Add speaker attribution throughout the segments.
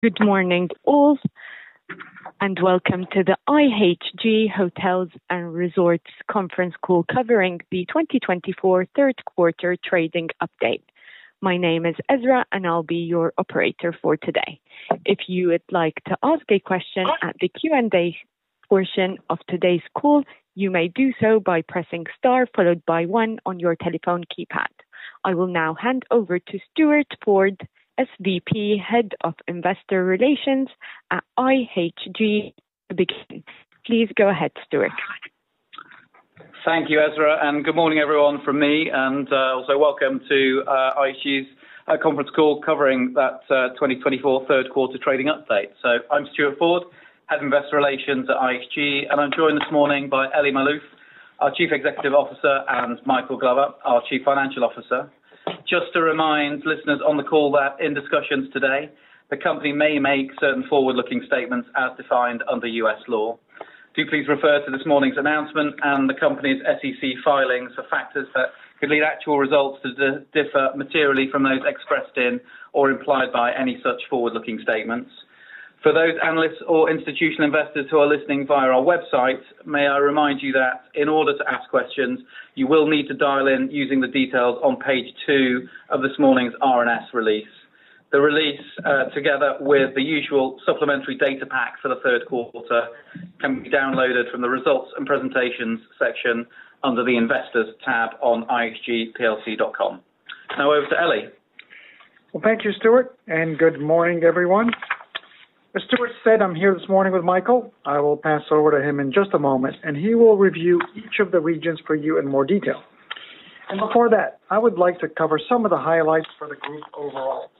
Speaker 1: Good morning, all, and welcome to the IHG Hotels and Resorts conference call covering the 2024 third quarter trading update. My name is Ezra, and I'll be your operator for today. If you would like to ask a question at the Q&A portion of today's call, you may do so by pressing star followed by one on your telephone keypad. I will now hand over to Stuart Ford, SVP, Head of Investor Relations at IHG to begin. Please go ahead, Stuart.
Speaker 2: Thank you, Ezra, and good morning, everyone, from me, and also welcome to IHG's conference call covering that 2024 third quarter trading update. So I'm Stuart Ford, Head of Investor Relations at IHG, and I'm joined this morning by Elie Maalouf, our Chief Executive Officer, and Michael Glover, our Chief Financial Officer. Just to remind listeners on the call that in discussions today, the company may make certain forward-looking statements as defined under U.S. law. Do please refer to this morning's announcement and the company's SEC filings for factors that could lead actual results to differ materially from those expressed in or implied by any such forward-looking statements. For those analysts or institutional investors who are listening via our website, may I remind you that in order to ask questions, you will need to dial in using the details on page two of this morning's RNS release. The release, together with the usual supplementary data pack for the third quarter, can be downloaded from the Results and Presentations section under the Investors tab on ihgplc.com. Now over to Elie.
Speaker 3: Thank you, Stuart, and good morning, everyone. As Stuart said, I'm here this morning with Michael. I will pass over to him in just a moment, and he will review each of the regions for you in more detail. Before that, I would like to cover some of the highlights for the group overall.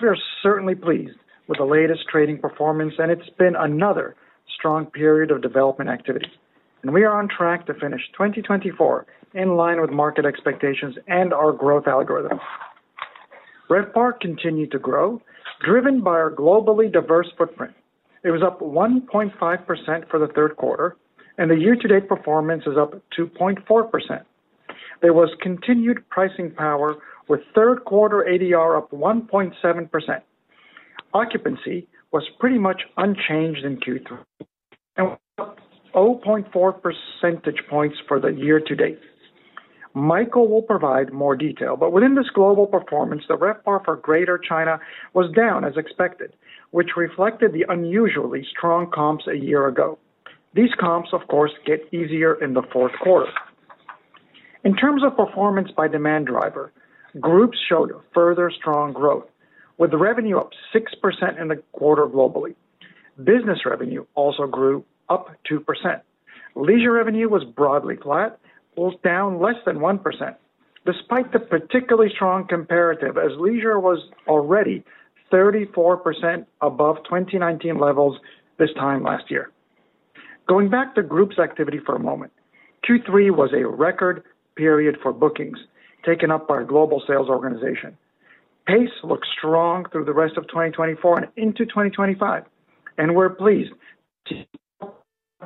Speaker 3: We are certainly pleased with the latest trading performance, and it's been another strong period of development activity, and we are on track to finish 2024 in line with market expectations and our growth algorithm. RevPAR continued to grow, driven by our globally diverse footprint. It was up 1.5% for the third quarter, and the year-to-date performance is up 2.4%. There was continued pricing power with third quarter ADR up 1.7%. Occupancy was pretty much unchanged in Q3 and up 0.4 percentage points for the year-to-date. Michael will provide more detail, but within this global performance, the RevPAR for Greater China was down as expected, which reflected the unusually strong comps a year ago. These comps, of course, get easier in the fourth quarter. In terms of performance by demand driver, Groups showed a further strong growth, with the revenue up 6% in the quarter globally. Business revenue also grew up 2%. Leisure revenue was broadly flat, was down less than 1%, despite the particularly strong comparative as Leisure was already 34% above 2019 levels this time last year. Going back to Groups activity for a moment, Q3 was a record period for bookings taken up by our global sales organization. Pace looks strong through the rest of 2024 and into 2025, and we're pleased to...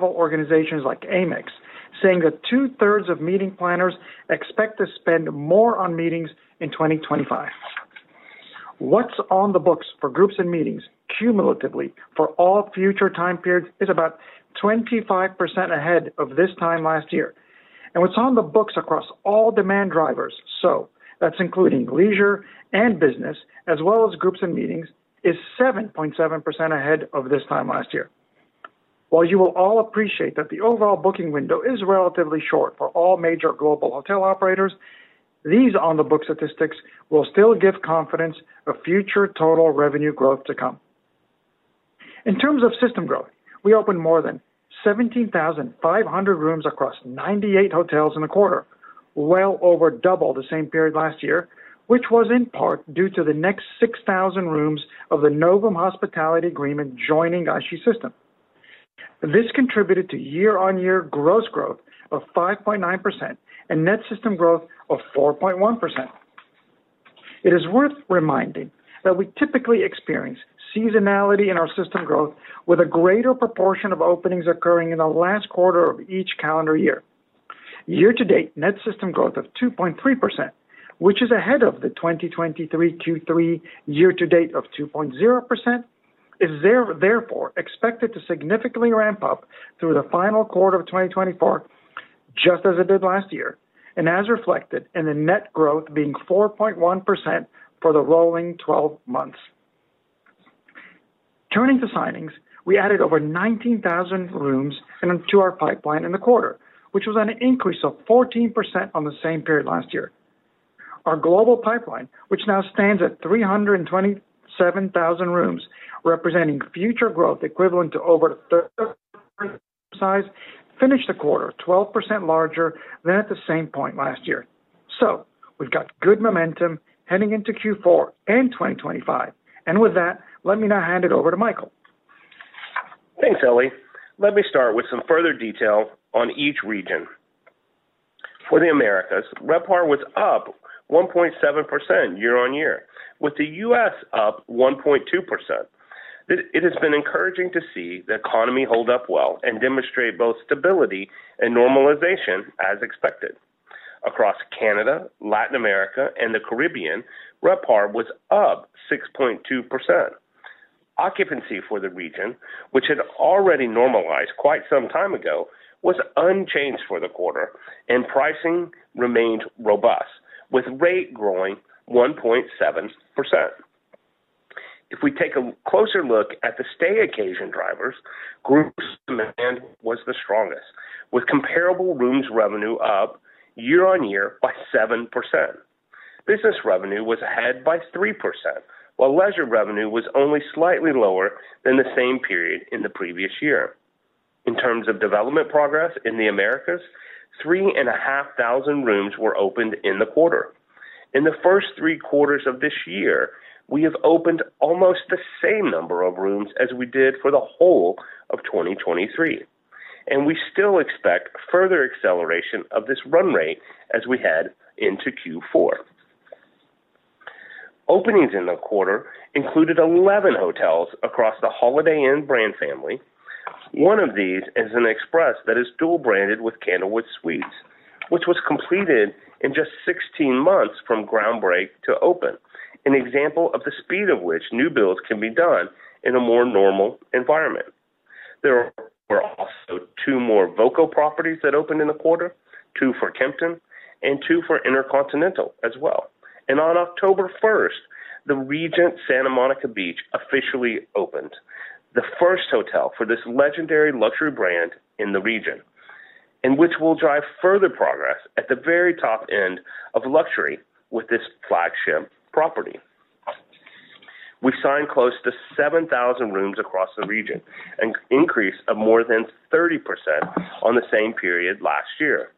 Speaker 3: organizations like Amex, saying that two-thirds of meeting planners expect to spend more on meetings in 2025. What's on the books for Groups & Meetings, cumulatively for all future time periods, is about 25% ahead of this time last year. And what's on-the-books across all demand drivers, so that's including Leisure and Business, as well as Groups & Meetings, is 7.7% ahead of this time last year. While you will all appreciate that the overall booking window is relatively short for all major global hotel operators, these on-the-book statistics will still give confidence of future total revenue growth to come. In terms of system growth, we opened more than 17,500 rooms across 98 hotels in the quarter, well over double the same period last year, which was in part due to the next 6,000 rooms of the NOVUM Hospitality agreement joining the IHG system. This contributed to year-on-year gross growth of 5.9% and net system growth of 4.1%. It is worth reminding that we typically experience seasonality in our system growth with a greater proportion of openings occurring in the last quarter of each calendar year. Year-to-date, net system growth of 2.3%, which is ahead of the 2023 Q3 year-to-date of 2.0%, is therefore expected to significantly ramp up through the final quarter of 2024, just as it did last year, and as reflected in the net growth being 4.1% for the rolling 12 months. Turning to signings, we added over 19,000 rooms into our pipeline in the quarter, which was an increase of 14% on the same period last year. Our global pipeline, which now stands at 327,000 rooms, representing future growth equivalent to over the size, finished the quarter 12% larger than at the same point last year. So we've got good momentum heading into Q4 and 2025. And with that, let me now hand it over to Michael.
Speaker 4: Thanks, Elie. Let me start with some further detail on each region. For the Americas, RevPAR was up 1.7% year-on-year, with the U.S. up 1.2%. It has been encouraging to see the economy hold up well and demonstrate both stability and normalization as expected. Across Canada, Latin America, and the Caribbean, RevPAR was up 6.2%. Occupancy for the region, which had already normalized quite some time ago, was unchanged for the quarter, and pricing remained robust, with rate growing 1.7%. If we take a closer look at the stay occasion drivers, Groups demand was the strongest, with comparable rooms revenue up year-on-year by 7%. Business revenue was ahead by 3%, while Leisure revenue was only slightly lower than the same period in the previous year. In terms of development progress in the Americas, 3,500 rooms were opened in the quarter. In the first three quarters of this year, we have opened almost the same number of rooms as we did for the whole of 2023, and we still expect further acceleration of this run rate as we head into Q4. Openings in the quarter included 11 hotels across the Holiday Inn brand family. One of these is an Express that is dual-branded with Candlewood Suites, which was completed in just 16 months from ground break to open, an example of the speed of which new builds can be done in a more normal environment. There were also two more voco properties that opened in the quarter, two for Kimpton and two for InterContinental as well. And on October 1st, the Regent Santa Monica Beach officially opened, the first hotel for this legendary luxury brand in the region, and which will drive further progress at the very top end of Luxury with this flagship property. We signed close to 7,000 rooms across the region, an increase of more than 30% on the same period last year.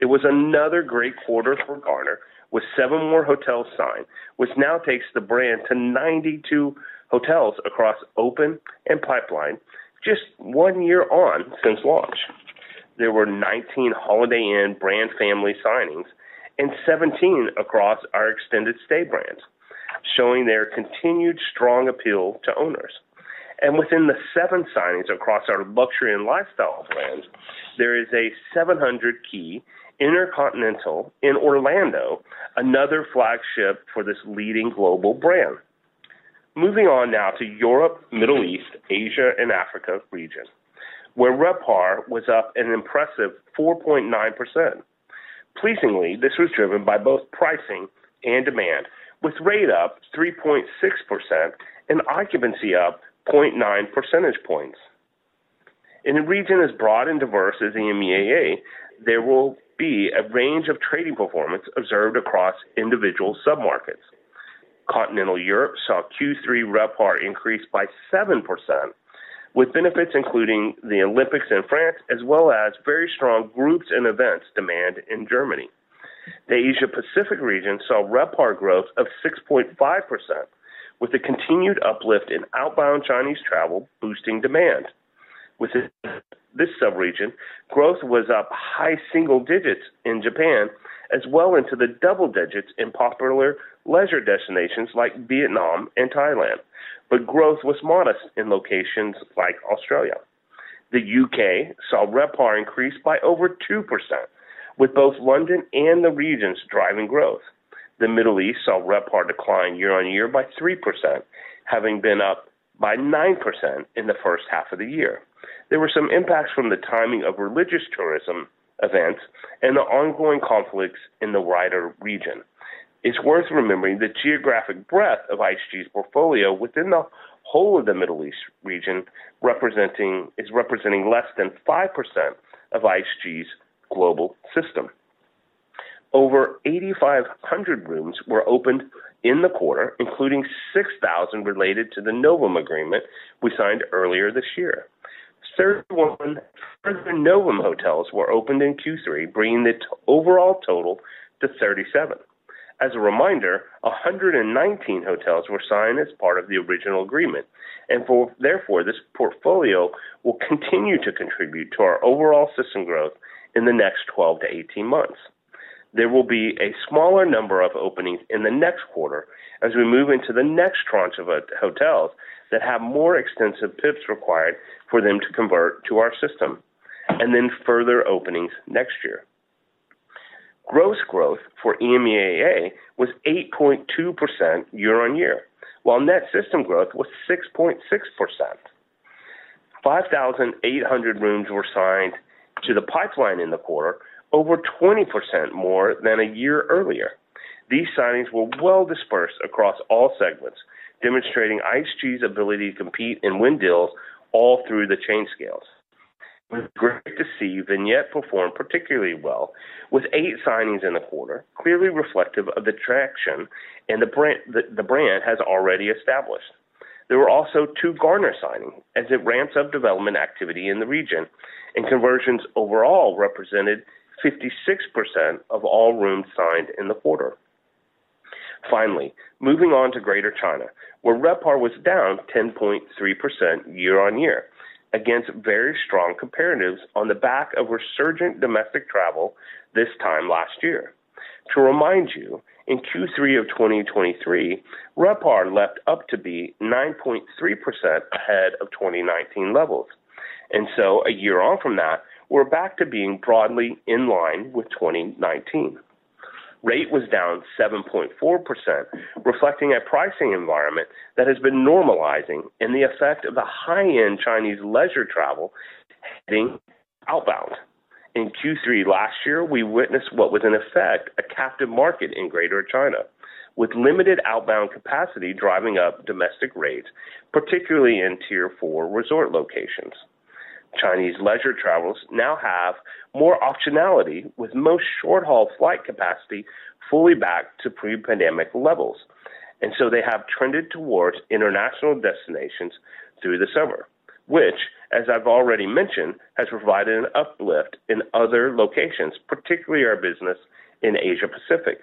Speaker 4: It was another great quarter for Garner, with seven more hotels signed, which now takes the brand to 92 hotels across open and pipeline, just one year on since launch. There were 19 Holiday Inn brand family signings and 17 across our extended stay brands, showing their continued strong appeal to owners, and within the seven signings across our Luxury & Lifestyle brands, there is a 700-key InterContinental in Orlando, another flagship for this leading global brand. Moving on now to Europe, Middle East, Asia, and Africa region, where RevPAR was up an impressive 4.9%. Pleasingly, this was driven by both pricing and demand, with rate up 3.6% and occupancy up 0.9 percentage points. In a region as broad and diverse as EMEAA, there will be a range of trading performance observed across individual submarkets. Continental Europe saw Q3 RevPAR increase by 7%, with benefits including the Olympics in France, as well as very strong Groups & Events demand in Germany. The Asia Pacific region saw RevPAR growth of 6.5%, with the continued uplift in outbound Chinese travel boosting demand. Within this sub-region, growth was up high single digits in Japan, as well into the double digits in popular leisure destinations like Vietnam and Thailand. But growth was modest in locations like Australia. The U.K. saw RevPAR increase by over 2%, with both London and the regions driving growth. The Middle East saw RevPAR decline year-on-year by 3%, having been up by 9% in the first half of the year. There were some impacts from the timing of religious tourism events and the ongoing conflicts in the wider region. It's worth remembering the geographic breadth of IHG's portfolio within the whole of the Middle East region, representing less than 5% of IHG's global system. Over 8,500 rooms were opened in the quarter, including 6,000 related to the NOVUM agreement we signed earlier this year. 31 NOVUM hotels were opened in Q3, bringing the overall total to 37. As a reminder, 119 hotels were signed as part of the original agreement, and therefore, this portfolio will continue to contribute to our overall system growth in the next 12-18 months. There will be a smaller number of openings in the next quarter as we move into the next tranche of hotels that have more extensive PIPs required for them to convert to our system, and then further openings next year. Gross growth for EMEAA was 8.2% year-on-year, while net system growth was 6.6%. 5,800 rooms were signed to the pipeline in the quarter, over 20% more than a year earlier. These signings were well dispersed across all segments, demonstrating IHG's ability to compete and win deals all through the chain scales. It was great to see Vignette perform particularly well, with eight signings in the quarter, clearly reflective of the traction and the brand, the brand has already established. There were also two Garner signings as it ramps up development activity in the region, and conversions overall represented 56% of all rooms signed in the quarter. Finally, moving on to Greater China, where RevPAR was down 10.3% year-on-year, against very strong comparatives on the back of resurgent domestic travel this time last year. To remind you, in Q3 of 2023, RevPAR leapt up to be 9.3% ahead of 2019 levels, and so a year on from that, we're back to being broadly in line with 2019. Rate was down 7.4%, reflecting a pricing environment that has been normalizing, and the effect of the high-end Chinese leisure travel heading outbound. In Q3 last year, we witnessed what was, in effect, a captive market in Greater China, with limited outbound capacity driving up domestic rates, particularly in Tier 4 resort locations. Chinese leisure travelers now have more optionality, with most short-haul flight capacity fully back to pre-pandemic levels, and so they have trended towards international destinations through the summer, which, as I've already mentioned, has provided an uplift in other locations, particularly our business in Asia Pacific.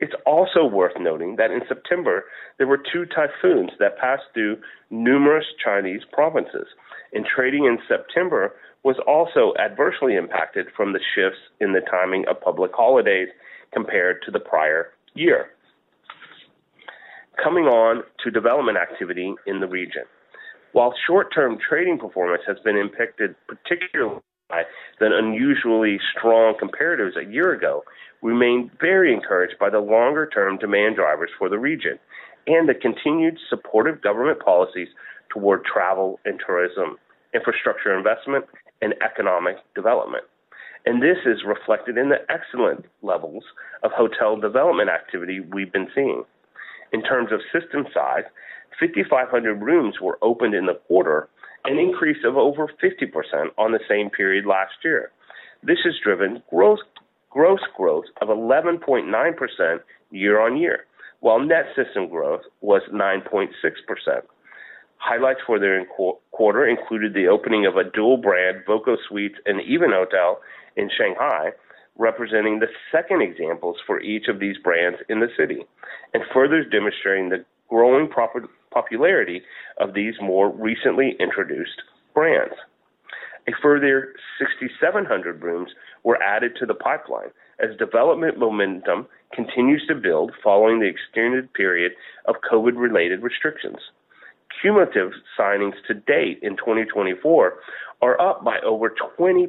Speaker 4: It's also worth noting that in September, there were two typhoons that passed through numerous Chinese provinces, and trading in September was also adversely impacted from the shifts in the timing of public holidays compared to the prior year. Coming on to development activity in the region. While short-term trading performance has been impacted particularly by the unusually strong comparatives a year ago, we remain very encouraged by the longer-term demand drivers for the region and the continued supportive government policies toward travel and tourism, infrastructure investment, and economic development. This is reflected in the excellent levels of hotel development activity we've been seeing. In terms of system size, 5,500 rooms were opened in the quarter, an increase of over 50% on the same period last year. This has driven gross growth of 11.9% year-on-year, while net system growth was 9.6%. Highlights for the quarter included the opening of a dual-brand, voco Suites and EVEN Hotel in Shanghai, representing the second examples for each of these brands in the city, and further demonstrating the growing popularity of these more recently introduced brands. A further 6,700 rooms were added to the pipeline as development momentum continues to build following the extended period of COVID-related restrictions. Cumulative signings to date in 2024 are up by over 20%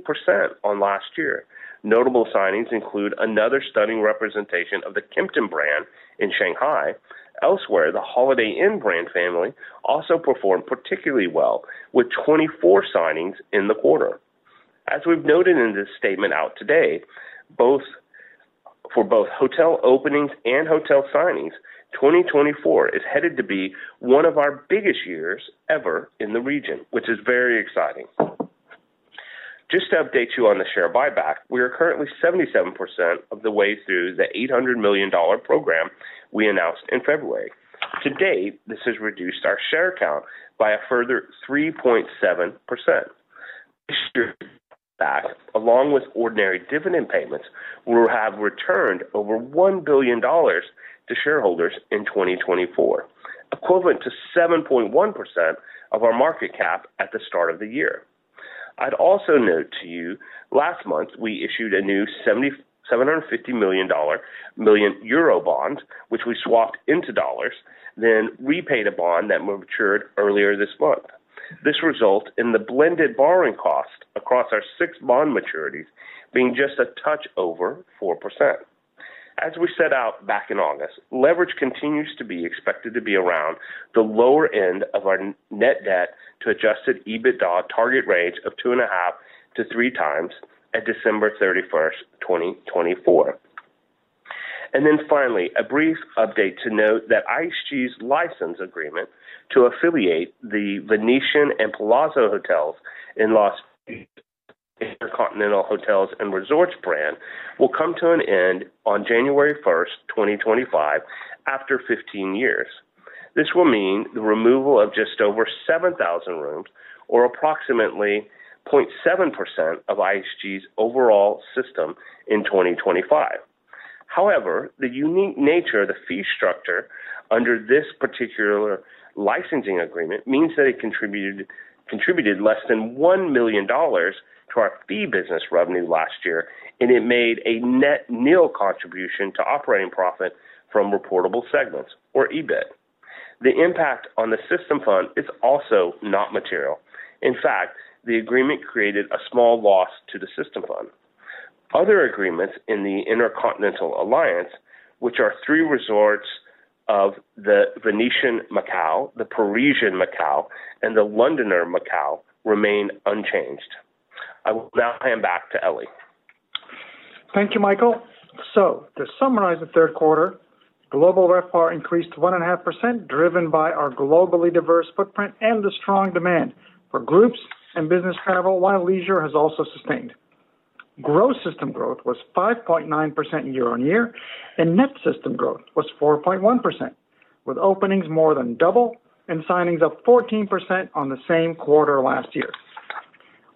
Speaker 4: on last year. Notable signings include another stunning representation of the Kimpton brand in Shanghai. Elsewhere, the Holiday Inn brand family also performed particularly well, with 24 signings in the quarter. As we've noted in this statement out today, both for both hotel openings and hotel signings, 2024 is headed to be one of our biggest years ever in the region, which is very exciting. Just to update you on the share buyback, we are currently 77% of the way through the $800 million program we announced in February. To date, this has reduced our share count by a further 3.7%. This year, back, along with ordinary dividend payments, we have returned over $1 billion to shareholders in 2024, equivalent to 7.1% of our market cap at the start of the year. I'd also note to you, last month, we issued a new 750 million Eurobond, which we swapped into dollars, then repaid a bond that matured earlier this month. This results in the blended borrowing cost across our six bond maturities being just a touch over 4%. As we set out back in August, leverage continues to be expected to be around the lower end of our net debt to adjusted EBITDA target range of 2.5x-3x at December 31st, 2024. Then finally, a brief update to note that IHG's license agreement to affiliate The Venetian and Palazzo Hotels in Las Vegas to the InterContinental Hotels and Resorts brand will come to an end on January 1st, 2025, after 15 years. This will mean the removal of just over 7,000 rooms, or approximately 0.7% of IHG's overall system in 2025. However, the unique nature of the fee structure under this particular licensing agreement means that it contributed less than $1 million to our fee business revenue last year, and it made a net nil contribution to operating profit from reportable segments or EBIT. The impact on the System Fund is also not material. In fact, the agreement created a small loss to the System Fund. Other agreements in the InterContinental Alliance, which are three resorts of The Venetian Macao, The Parisian Macao, and The Londoner Macao, remain unchanged. I will now hand back to Elie.
Speaker 3: Thank you, Michael. To summarize the third quarter, global RevPAR increased 1.5%, driven by our globally diverse footprint and the strong demand for Groups and Business travel, while Leisure has also sustained. Gross system growth was 5.9% year-on-year, and net system growth was 4.1%, with openings more than double and signings up 14% on the same quarter last year.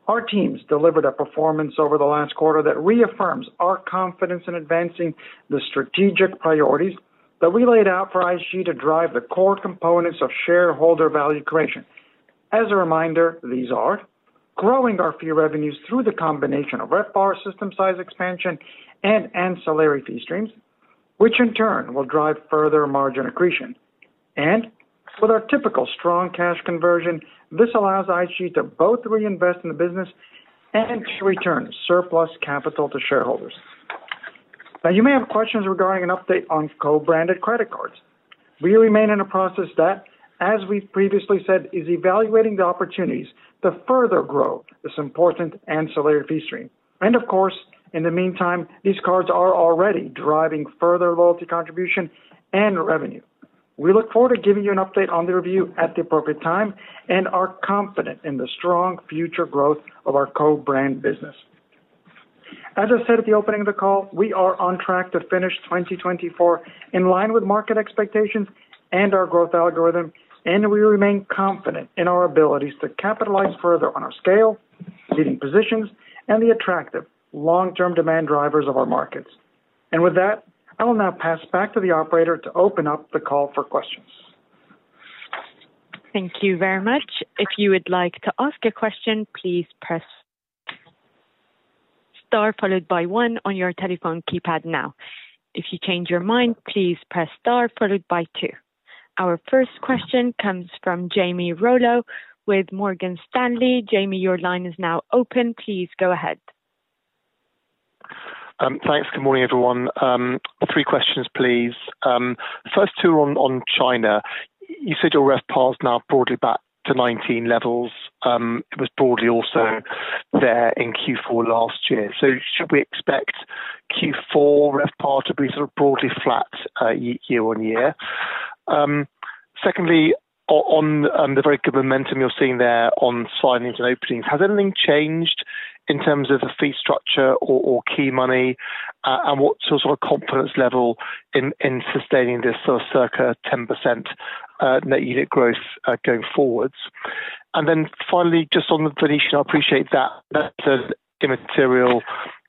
Speaker 3: Our teams delivered a performance over the last quarter that reaffirms our confidence in advancing the strategic priorities that we laid out for IHG to drive the core components of shareholder value creation. As a reminder, these are: growing our fee revenues through the combination of RevPAR, system size expansion, and ancillary fee streams... which in turn will drive further margin accretion. With our typical strong cash conversion, this allows IHG to both reinvest in the business and to return surplus capital to shareholders. Now, you may have questions regarding an update on co-branded credit cards. We remain in a process that, as we've previously said, is evaluating the opportunities to further grow this important ancillary fee stream. And of course, in the meantime, these cards are already driving further loyalty, contribution, and revenue. We look forward to giving you an update on the review at the appropriate time and are confident in the strong future growth of our co-brand business. As I said at the opening of the call, we are on track to finish 2024 in line with market expectations and our growth algorithm, and we remain confident in our abilities to capitalize further on our scale, leading positions, and the attractive long-term demand drivers of our markets. With that, I will now pass back to the operator to open up the call for questions.
Speaker 1: Thank you very much. If you would like to ask a question, please press star followed by one on your telephone keypad now. If you change your mind, please press star followed by two. Our first question comes from Jamie Rollo with Morgan Stanley. Jamie, your line is now open. Please go ahead.
Speaker 5: Thanks. Good morning, everyone. Three questions, please. First two on China. You said your RevPAR is now broadly back to 2019 levels. It was broadly also there in Q4 last year. So should we expect Q4 RevPAR to be sort of broadly flat, year-on-year? Secondly, on the very good momentum you're seeing there on signings and openings, has anything changed in terms of the fee structure or key money? And what's sort of confidence level in sustaining this sort of circa 10% net unit growth going forwards? And then finally, just on the Venetian, I appreciate that that's an immaterial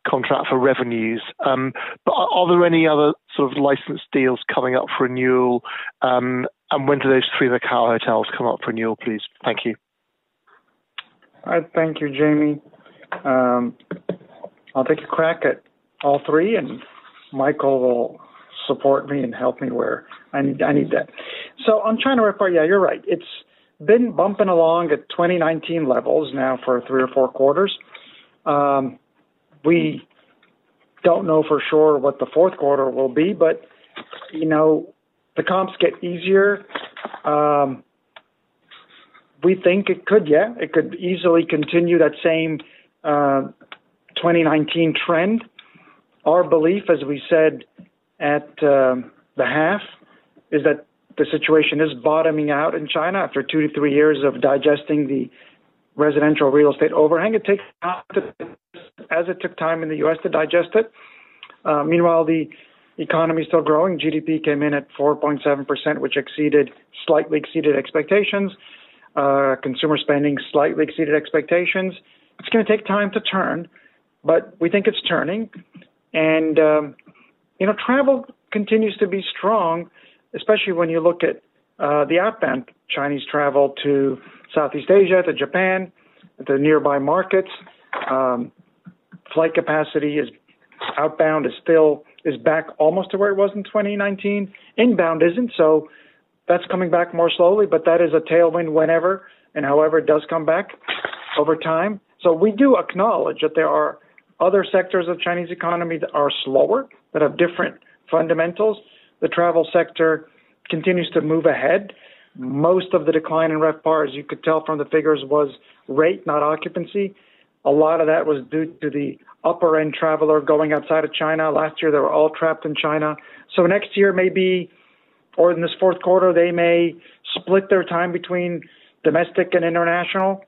Speaker 5: contract for revenues, but are there any other sort of license deals coming up for renewal? And when do those three Macau hotels come up for renewal, please? Thank you.
Speaker 3: All right. Thank you, Jamie. I'll take a crack at all three, and Michael will support me and help me where I need that. So on China RevPAR, yeah, you're right. It's been bumping along at 2019 levels now for three or four quarters. We don't know for sure what the fourth quarter will be, but, you know, the comps get easier. We think it could easily continue that same 2019 trend. Our belief, as we said at the half, is that the situation is bottoming out in China after two to three years of digesting the residential real estate overhang. It takes time, as it took time in the U.S. to digest it. Meanwhile, the economy is still growing. GDP came in at 4.7%, which slightly exceeded expectations. Consumer spending slightly exceeded expectations. It's gonna take time to turn, but we think it's turning, and you know, travel continues to be strong, especially when you look at the outbound Chinese travel to Southeast Asia, to Japan, the nearby markets. Flight capacity outbound is still back almost to where it was in 2019. Inbound isn't, so that's coming back more slowly, but that is a tailwind whenever and however it does come back over time. So we do acknowledge that there are other sectors of Chinese economy that are slower, that have different fundamentals. The travel sector continues to move ahead. Most of the decline in RevPAR, as you could tell from the figures, was rate, not occupancy. A lot of that was due to the upper-end traveler going outside of China. Last year, they were all trapped in China. Next year, maybe, or in this fourth quarter, they may split their time between domestic and international.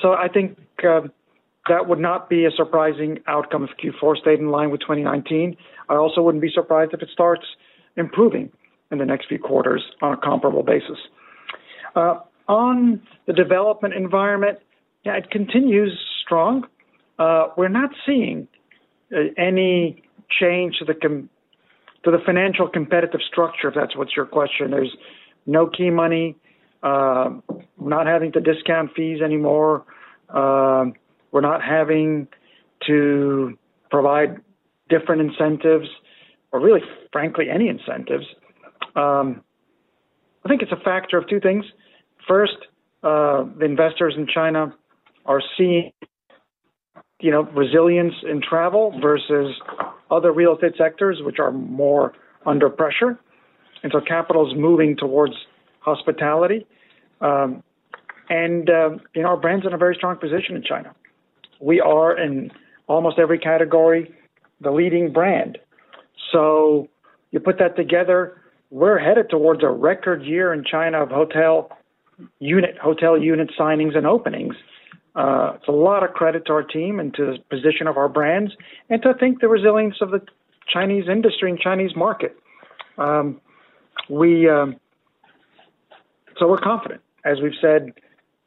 Speaker 3: So I think that would not be a surprising outcome if Q4 stayed in line with 2019. I also wouldn't be surprised if it starts improving in the next few quarters on a comparable basis. On the development environment, yeah, it continues strong. We're not seeing any change to the financial competitive structure, if that's what's your question. There's no key money. We're not having to discount fees anymore. We're not having to provide different incentives or really, frankly, any incentives. I think it's a factor of two things. First, the investors in China are seeing, you know, resilience in travel versus other real estate sectors, which are more under pressure, and so capital is moving towards hospitality. And, you know, our brand's in a very strong position in China. We are, in almost every category, the leading brand. So you put that together, we're headed towards a record year in China of hotel unit signings and openings. It's a lot of credit to our team and to the position of our brands and to I think, the resilience of the Chinese industry and Chinese market. We're confident, as we've said,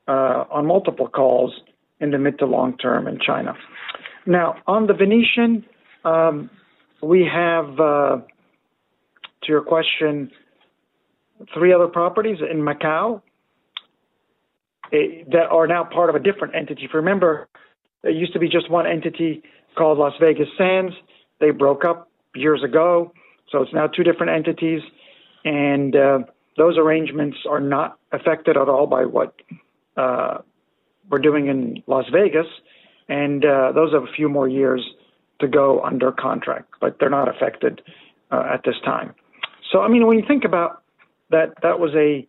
Speaker 3: on multiple calls, in the mid to long-term in China. Now, on the Venetian, we have, to your question, three other properties in Macau that are now part of a different entity. If you remember, there used to be just one entity called Las Vegas Sands. They broke up years ago, so it's now two different entities, and those arrangements are not affected at all by what we're doing in Las Vegas, and those have a few more years to go under contract, but they're not affected at this time, so I mean, when you think about that, that was a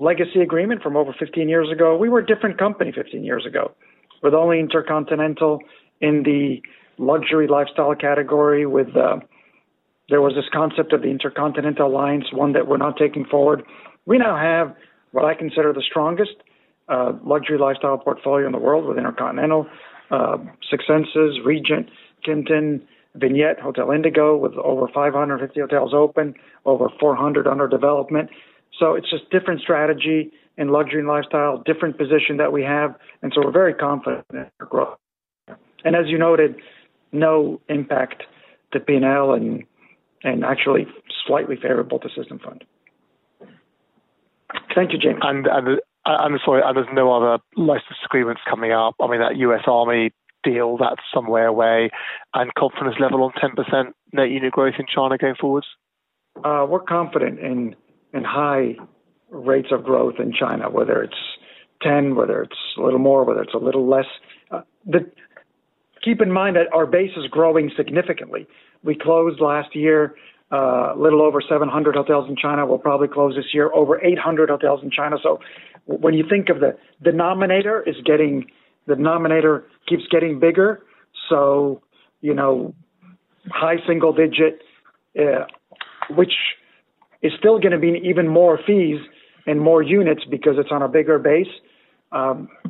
Speaker 3: legacy agreement from over 15 years ago. We were a different company 15 years ago, with only InterContinental in the luxury lifestyle category, with there was this concept of the InterContinental Alliance, one that we're now taking forward. We now have what I consider the strongest luxury lifestyle portfolio in the world, with InterContinental, Six Senses, Regent, Kimpton, Vignette, Hotel Indigo, with over 550 hotels open, over 400 under development. So it's just different strategy in Luxury & Lifestyle, different position that we have, and so we're very confident in our growth. And as you noted, no impact to P&L and actually slightly favorable to System Fund. Thank you, Jamie.
Speaker 5: I'm sorry, and there's no other license agreements coming up? I mean, that U.S. Army deal, that's somewhere away, and confidence level of 10% net unit growth in China going forward.
Speaker 3: We're confident in high rates of growth in China, whether it's 10%, whether it's a little more, whether it's a little less. Keep in mind that our base is growing significantly. We closed last year a little over 700 hotels in China. We'll probably close this year over 800 hotels in China. So when you think of the denominator is getting bigger. The numerator keeps getting bigger, so, you know, high single digit, which is still gonna be even more fees and more units because it's on a bigger base.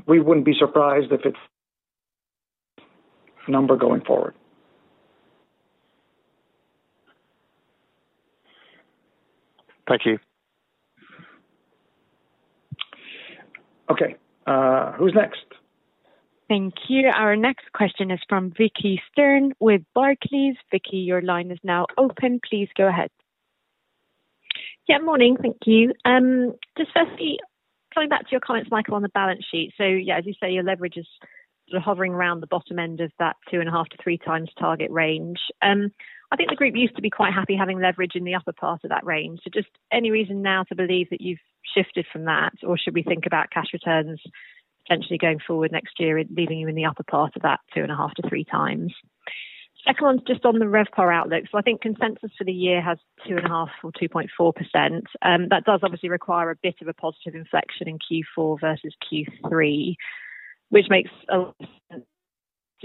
Speaker 3: We wouldn't be surprised if it's number going forward.
Speaker 5: Thank you.
Speaker 3: Okay, who's next?
Speaker 1: Thank you. Our next question is from Vicki Stern with Barclays. Vicki, your line is now open. Please go ahead.
Speaker 6: Yeah, morning. Thank you. Just firstly, coming back to your comments, Michael, on the balance sheet. So, yeah, as you say, your leverage is sort of hovering around the bottom end of that 2.5x-3x target range. I think the Group used to be quite happy having leverage in the upper part of that range. So just any reason now to believe that you've shifted from that, or should we think about cash returns potentially going forward next year, leaving you in the upper part of that 2.5x-3x? Second one, just on the RevPAR outlook. So I think consensus for the year has 2.5% or 2.4%. That does obviously require a bit of a positive inflection in Q4 versus Q3, which makes a lot,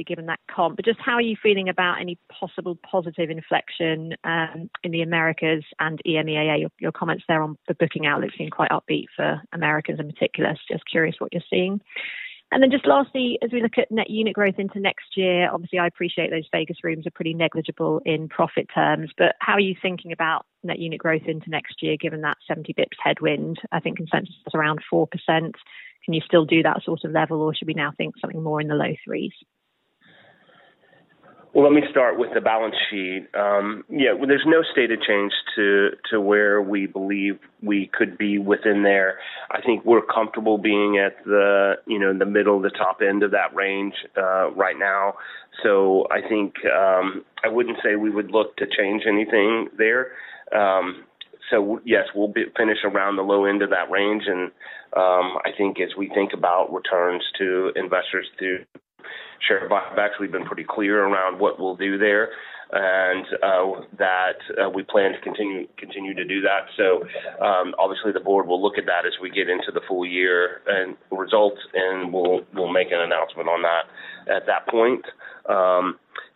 Speaker 6: given that comp. But just how are you feeling about any possible positive inflection in the Americas and EMEAA? Your comments there on the booking outlook seem quite upbeat for Americas in particular. So just curious what you're seeing. And then just lastly, as we look at net unit growth into next year, obviously, I appreciate those Vegas rooms are pretty negligible in profit terms, but how are you thinking about net unit growth into next year, given that 70 basis points headwind? I think consensus is around 4%. Can you still do that sort of level, or should we now think something more in the low threes?
Speaker 4: Let me start with the balance sheet. Yeah, there's no stated change to where we believe we could be within there. I think we're comfortable being at the, you know, the middle of the top end of that range, right now. So I think, I wouldn't say we would look to change anything there. So yes, we'll finish around the low end of that range, and, I think as we think about returns to investors through share buybacks, we've been pretty clear around what we'll do there, and, that we plan to continue to do that. So, obviously, the board will look at that as we get into the full-year and results, and we'll make an announcement on that at that point.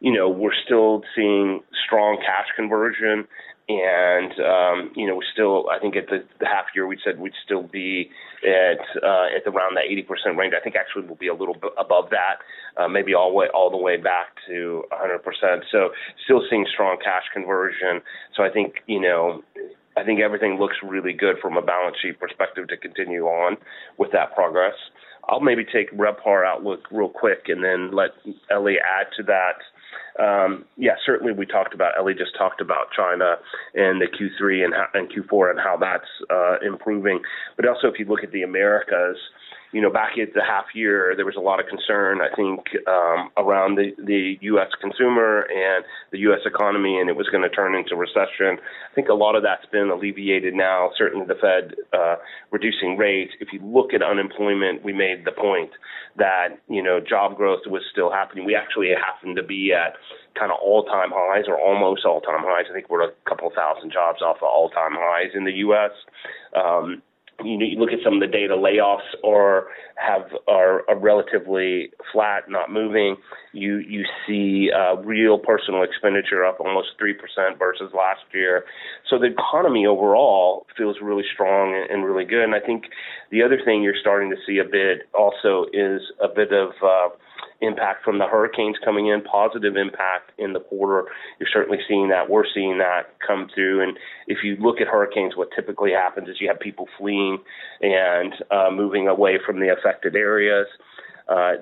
Speaker 4: You know, we're still seeing strong cash conversion and, you know, we're still. I think at the half year, we said we'd still be at around that 80% range. I think actually we'll be a little bit above that, maybe all the way back to 100%. So still seeing strong cash conversion. So I think, you know, I think everything looks really good from a balance sheet perspective to continue on with that progress. I'll maybe take RevPAR outlook real quick and then let Elie add to that. Yeah, certainly, we talked about. Elie just talked about China and the Q3 and Q4 and how that's improving. But also, if you look at the Americas, you know, back at the half-year, there was a lot of concern, I think, around the U.S. consumer and the U.S. economy, and it was gonna turn into recession. I think a lot of that's been alleviated now, certainly the Fed reducing rates. If you look at unemployment, we made the point that, you know, job growth was still happening. We actually happen to be at kind of all-time highs or almost all-time highs. I think we're a couple of thousand jobs off of all-time highs in the U.S. You look at some of the data, layoffs are relatively flat, not moving. You see real personal expenditure up almost 3% versus last year. So the economy overall feels really strong and really good. And I think the other thing you're starting to see a bit also is a bit of impact from the hurricanes coming in, positive impact in the quarter. You're certainly seeing that. We're seeing that come through, and if you look at hurricanes, what typically happens is you have people fleeing and moving away from the affected areas.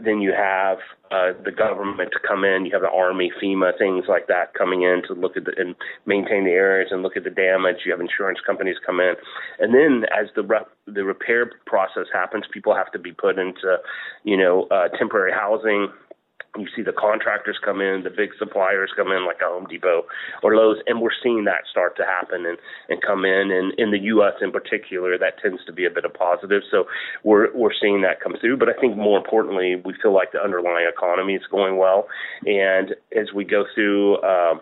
Speaker 4: Then you have the government come in, you have the army, FEMA, things like that, coming in to look at the areas and maintain the areas and look at the damage. You have insurance companies come in. And then as the repair process happens, people have to be put into, you know, temporary housing. You see the contractors come in, the big suppliers come in, like a Home Depot or Lowe's, and we're seeing that start to happen and come in. In the U.S., in particular, that tends to be a bit of positive. We're seeing that come through. I think more importantly, we feel like the underlying economy is going well. As we go through our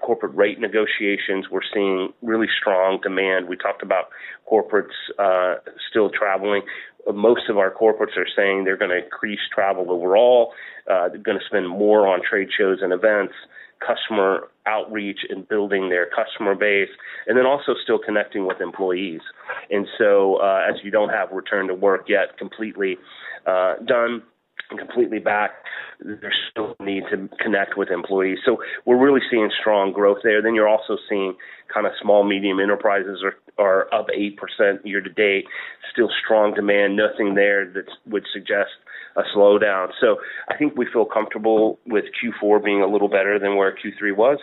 Speaker 4: corporate rate negotiations, we're seeing really strong demand. We talked about corporates still traveling. Most of our corporates are saying they're gonna increase travel overall. They're gonna spend more on trade shows and events, customer outreach, and building their customer base, and then also still connecting with employees. As you don't have return to work yet, completely done and completely back, there's still a need to connect with employees. We're really seeing strong growth there. Then you're also seeing kind of small, medium enterprises are up 8% year-to-date. Still strong demand, nothing there that would suggest a slowdown. So I think we feel comfortable with Q4 being a little better than where Q3 was.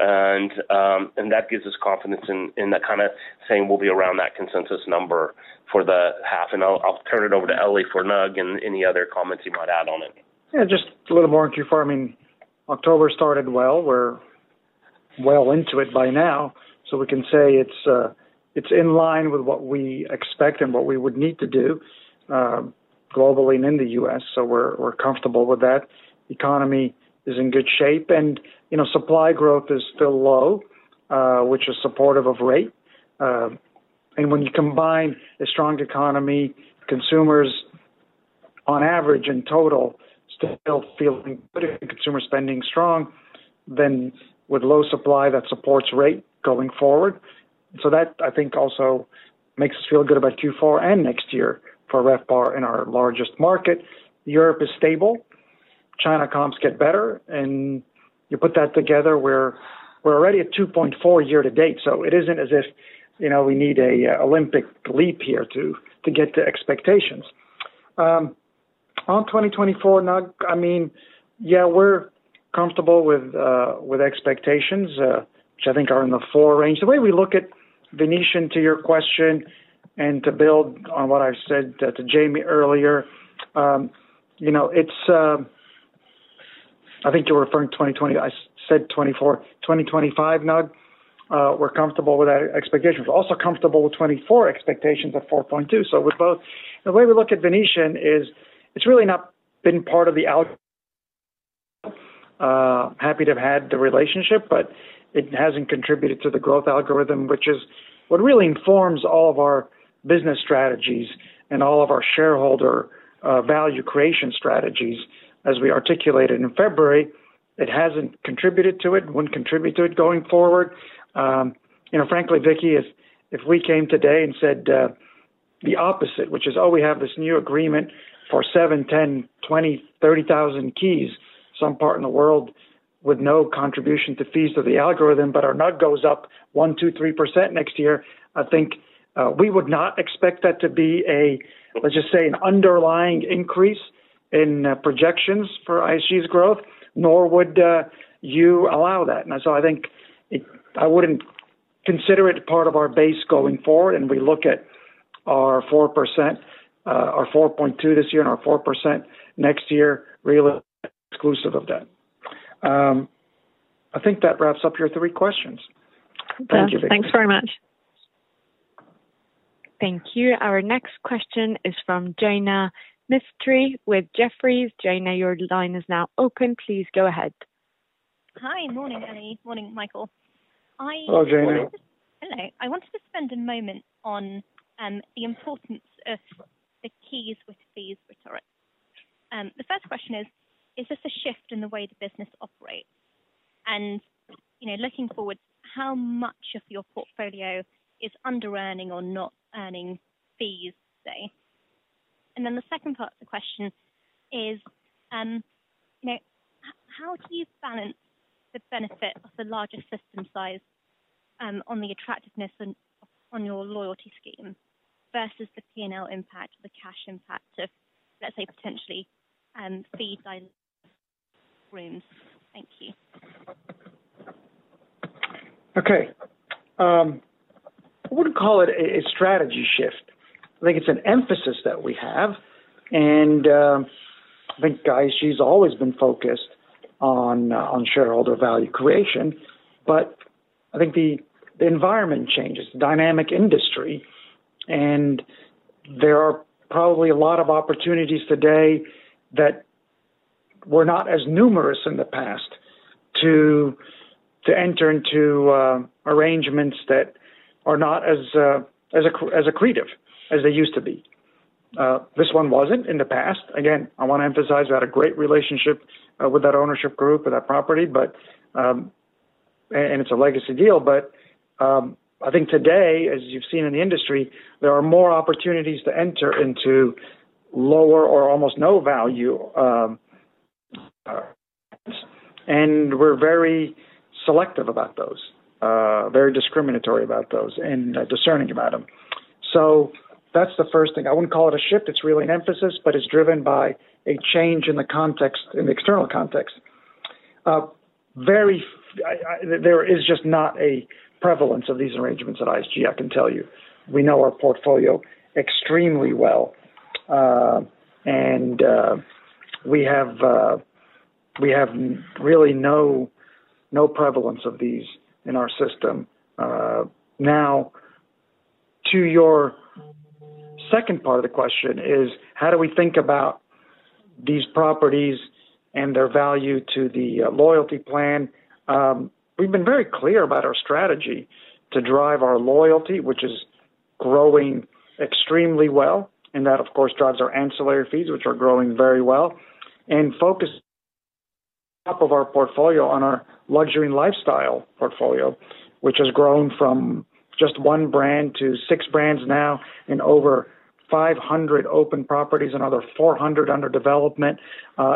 Speaker 4: And that gives us confidence in that kind of saying we'll be around that consensus number for the half. And I'll turn it over to Elie for NUG and any other comments he might add on it.
Speaker 3: Yeah, just a little more on Q4. I mean, October started well. We're well into it by now, so we can say it's in line with what we expect and what we would need to do globally and in the U.S., so we're comfortable with that. Economy is in good shape and, you know, supply growth is still low, which is supportive of rate. And when you combine a strong economy, consumers on average, in total, still feeling good and consumer spending strong, then with low supply, that supports rate going forward. So that, I think, also makes us feel good about Q4 and next year for RevPAR in our largest market. Europe is stable, China comps get better, and you put that together, we're already at 2.4% year-to-date, so it isn't as if, you know, we need a Olympic leap here to get to expectations. On 2024 NUG, I mean, yeah, we're comfortable with expectations, which I think are in the four range. The way we look at Venetian, to your question, and to build on what I've said to Jamie earlier, you know, it's. I think you were referring to 2020. I said 2024. 2025 NUG, we're comfortable with our expectations. We're also comfortable with 2024 expectations of 4.2%. So the way we look at Venetian is, it's really not been part of the output. Happy to have had the relationship, but it hasn't contributed to the growth algorithm, which is what really informs all of our business strategies and all of our shareholder value creation strategies, as we articulated in February. It hasn't contributed to it, wouldn't contribute to it going forward. You know, frankly, Vicki, if we came today and said the opposite, which is, "Oh, we have this new agreement for seven, 10, 20, 30,000 keys, some part in the world with no contribution to fees or the algorithm, but our NUG goes up 1%, 2%, 3% next year," I think we would not expect that to be a, let's just say, an underlying increase in projections for IHG's growth, nor would you allow that. And so I think I wouldn't consider it part of our base going forward, and we look at our 4%, our 4.2% this year and our 4% next year, really exclusive of that. I think that wraps up your three questions. Thank you, Vicki.
Speaker 6: Thanks very much.
Speaker 1: Thank you. Our next question is from Jaina Mistry with Jefferies. Jaina, your line is now open. Please go ahead.
Speaker 7: Hi. Morning, Elie. Morning, Michael. I-
Speaker 3: Hello, Jaina.
Speaker 7: Hello. I wanted to spend a moment on the importance of the keys with fees. Sorry. The first question is, is this a shift in the way the business operates? And, you know, looking forward, how much of your portfolio is under earning or not earning fees, say? And then the second part of the question is, you know, how do you balance the benefit of the larger system size on the attractiveness and on your loyalty scheme versus the P&L impact, the cash impact of, let's say, potentially, fee rooms? Thank you.
Speaker 3: Okay. I wouldn't call it a strategy shift. I think it's an emphasis that we have, and I think guys, she's always been focused on shareholder value creation. But I think the environment changes, dynamic industry, and there are probably a lot of opportunities today that were not as numerous in the past to enter into arrangements that are not as accretive as they used to be. This one wasn't in the past. Again, I want to emphasize we had a great relationship with that ownership group or that property, but and it's a legacy deal, but I think today, as you've seen in the industry, there are more opportunities to enter into lower or almost no value. And we're very selective about those, very discriminatory about those and discerning about them. So that's the first thing. I wouldn't call it a shift, it's really an emphasis, but it's driven by a change in the context, in the external context. There is just not a prevalence of these arrangements at IHG, I can tell you. We know our portfolio extremely well, and we have really no prevalence of these in our system. Now, to your second part of the question is: how do we think about these properties and their value to the loyalty plan? We've been very clear about our strategy to drive our loyalty, which is growing extremely well, and that, of course, drives our ancillary fees, which are growing very well. Focus of our portfolio on our Luxury & Lifestyle portfolio, which has grown from just one brand to six brands now, and over 500 open properties, another 400 under development,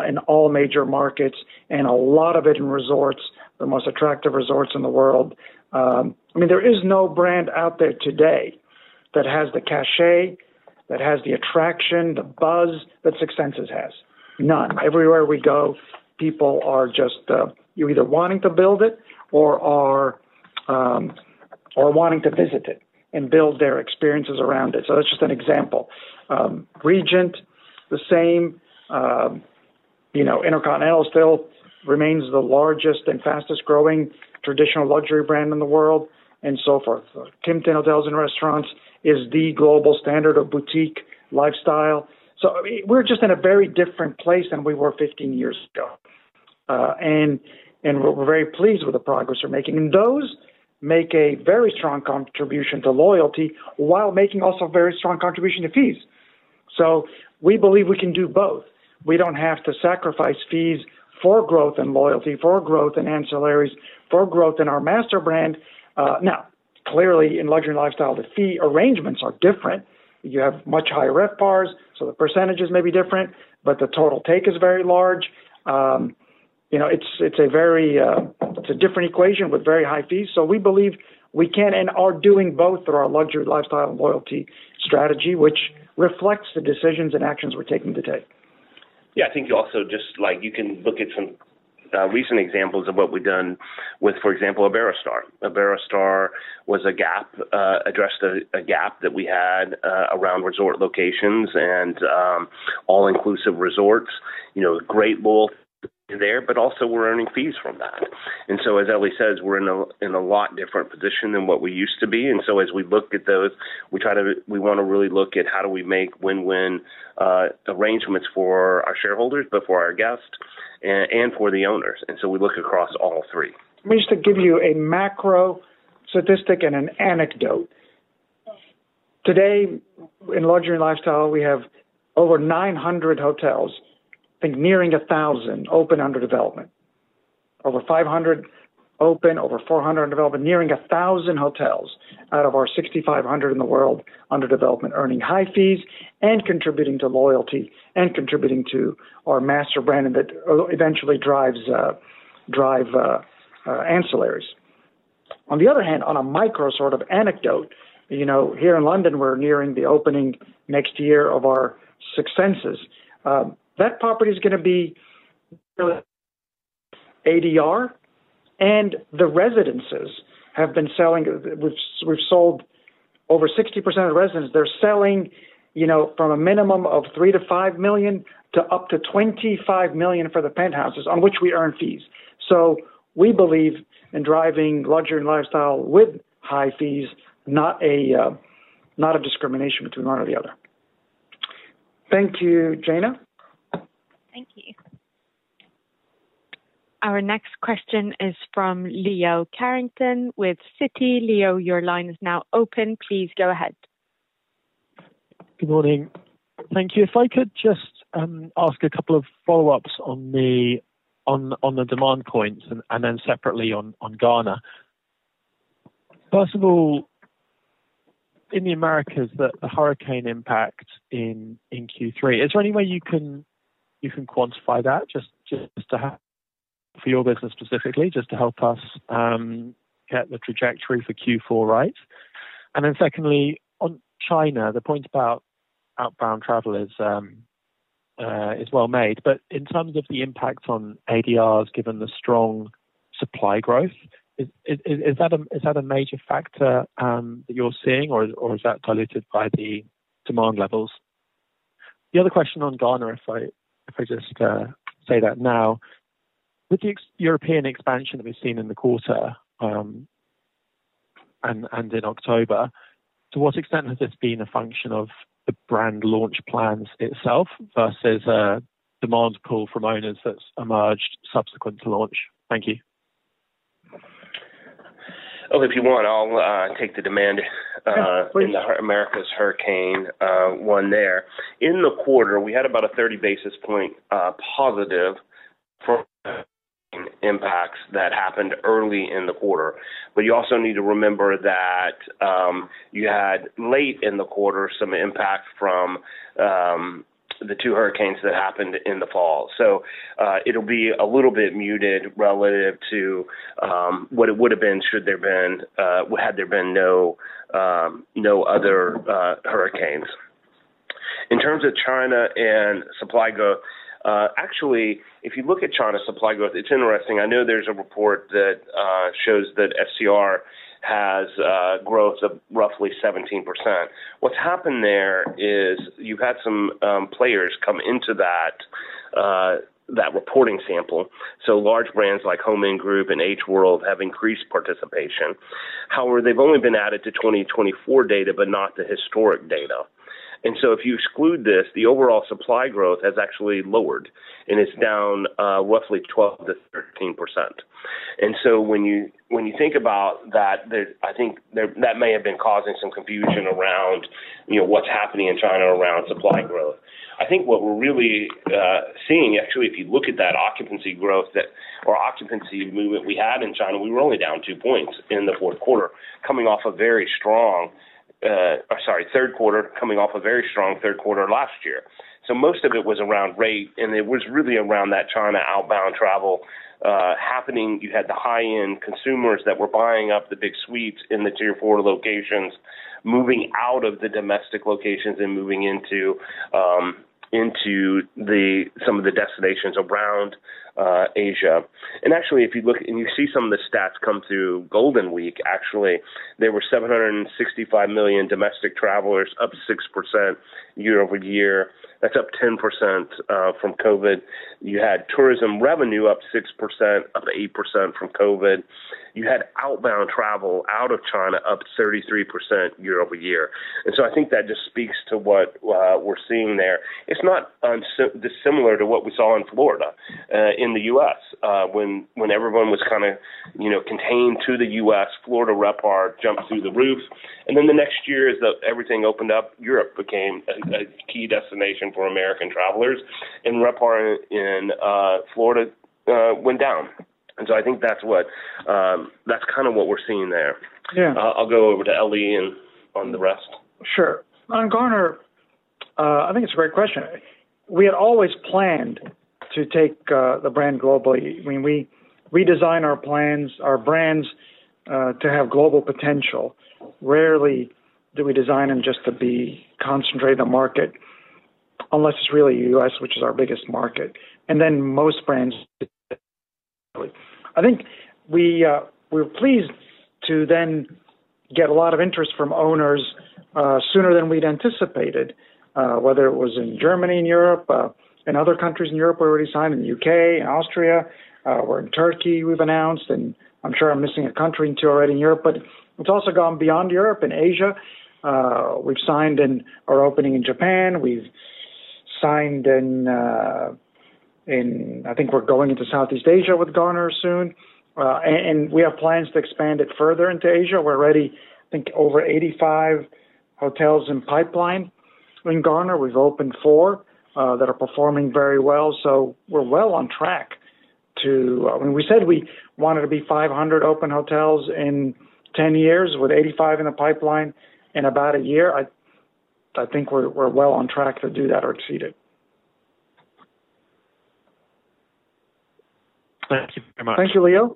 Speaker 3: in all major markets, and a lot of it in resorts, the most attractive resorts in the world. I mean, there is no brand out there today that has the cachet, that has the attraction, the buzz, that Six Senses has. None. Everywhere we go, people are just, you're either wanting to build it or are, or wanting to visit it and build their experiences around it. So that's just an example. Regent, the same. You know, InterContinental still remains the largest and fastest growing traditional luxury brand in the world, and so forth. So Kimpton Hotels & Restaurants is the global standard of boutique lifestyle. I mean, we're just in a very different place than we were 15 years ago. And we're very pleased with the progress we're making. And those make a very strong contribution to loyalty while making also a very strong contribution to fees. So we believe we can do both. We don't have to sacrifice fees for growth and loyalty, for growth in ancillaries, for growth in our master brand. Now, clearly, in Luxury & Lifestyle, the fee arrangements are different. You have much higher RevPARs, so the percentages may be different, but the total take is very large. You know, it's a very different equation with very high fees. So we believe we can and are doing both through our luxury lifestyle and loyalty strategy, which reflects the decisions and actions we're taking today.
Speaker 4: Yeah, I think you also just, like, you can look at some recent examples of what we've done with, for example, Iberostar. Iberostar addressed a gap that we had around resort locations and all-inclusive resorts. You know, great both there, but also we're earning fees from that. And so, as Elie says, we're in a lot different position than what we used to be. And so as we look at those, we try to. We wanna really look at how do we make win-win arrangements for our shareholders, but for our guests and for the owners. And so we look across all three.
Speaker 3: Just to give you a macro statistic and an anecdote. Today, in Luxury & Lifestyle, we have over 900 hotels, I think nearing 1,000, open under development. Over 500 open, over 400 under development, nearing 1,000 hotels out of our 6,500 in the world under development, earning high fees and contributing to loyalty and contributing to our master brand, and that ultimately drives ancillaries. On the other hand, on a micro sort of anecdote, you know, here in London, we're nearing the opening next year of our Six Senses. That property is gonna be ADR, and the residences have been selling, we've, we've sold over 60% of the residences. They're selling, you know, from a minimum of $3 million-$5 million to up to $25 million for the penthouses, on which we earn fees. So we believe in driving Luxury & Lifestyle with high fees, not a discrimination between one or the other. Thank you. Jaina.
Speaker 7: Thank you.
Speaker 1: Our next question is from Leo Carrington with Citi. Leo, your line is now open. Please go ahead.
Speaker 8: Good morning. Thank you. If I could just ask a couple of follow-ups on the demand points and then separately on Garner. First of all, in the Americas, the hurricane impact in Q3, is there any way you can quantify that, just to have for your business specifically, just to help us get the trajectory for Q4 right? And then secondly, on China, the point about outbound travel is well made, but in terms of the impact on ADRs, given the strong supply growth, is that a major factor that you're seeing, or is that diluted by the demand levels? The other question on Garner, if I just say that now, with the European expansion that we've seen in the quarter, and in October, to what extent has this been a function of the brand launch plans itself versus a demand pull from owners that's emerged subsequent to launch? Thank you.
Speaker 4: Elie if you want, I'll take the demand.
Speaker 3: Yeah, please.
Speaker 4: In the Americas hurricane one there. In the quarter, we had about a 30 basis points positive from impacts that happened early in the quarter. But you also need to remember that you had late in the quarter, some impact from the two hurricanes that happened in the fall. So it'll be a little bit muted relative to what it would have been should there been had there been no other hurricanes. In terms of China and supply growth, actually, if you look at China's supply growth, it's interesting. I know there's a report that shows that STR has growth of roughly 17%. What's happened there is you've had some players come into that reporting sample, so large brands like Homeinns Group and H World have increased participation. However, they've only been added to 2024 data, but not the historic data. And so if you exclude this, the overall supply growth has actually lowered, and it's down roughly 12%-13%. And so when you think about that, I think that may have been causing some confusion around, you know, what's happening in China around supply growth. I think what we're really seeing, actually, if you look at that occupancy growth that or occupancy movement we had in China, we were only down two points in the fourth quarter, coming off a very strong third quarter last year. So most of it was around rate, and it was really around that China outbound travel happening. You had the high-end consumers that were buying up the big suites in the Tier 4 locations, moving out of the domestic locations and moving into some of the destinations around Asia. And actually, if you look and you see some of the stats come through Golden Week, actually, there were 765 million domestic travelers, up 6% year-over-year. That's up 10% from COVID. You had tourism revenue up 6%, up 8% from COVID. You had outbound travel out of China up 33% year-over-year. And so I think that just speaks to what we're seeing there. It's not dissimilar to what we saw in Florida in the U.S. when everyone was kind of, you know, contained to the U.S., Florida RevPAR jumped through the roof. Then the next year, as everything opened up, Europe became a key destination for American travelers, and RevPAR in Florida went down. So I think that's kind of what we're seeing there.
Speaker 3: Yeah.
Speaker 4: I'll go over to Elie and on the rest.
Speaker 3: Sure. On Garner, I think it's a great question. We had always planned to take the brand globally. I mean, we design our plans, our brands, to have global potential. Rarely do we design them just to be concentrated in the market, unless it's really U.S., which is our biggest market, and then most brands... I think we, we're pleased to then get a lot of interest from owners, sooner than we'd anticipated, whether it was in Germany and Europe, in other countries in Europe, we already signed in the U.K. and Austria, or in Turkey, we've announced, and I'm sure I'm missing a country or two already in Europe, but it's also gone beyond Europe and Asia. We've signed and are opening in Japan. We've signed in, I think we're going into Southeast Asia with Garner soon, and we have plans to expand it further into Asia. We're already, I think, over 85 hotels in pipeline. In Garner, we've opened four that are performing very well, so we're well on track to... When we said we wanted to be 500 open hotels in 10 years with 85 in the pipeline in about a year, I think we're well on track to do that or exceed it.
Speaker 8: Thank you very much.
Speaker 3: Thank you, Leo.